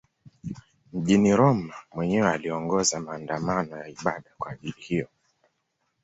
Mjini Roma mwenyewe aliongoza maandamano ya ibada kwa ajili hiyo.